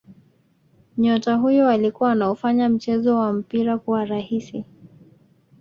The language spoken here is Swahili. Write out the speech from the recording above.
Nyota huyo alikuwa anaufanya mchezo wa mpira kuwa rahisi